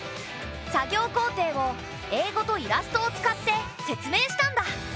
作業工程を英語とイラストを使って説明したんだ。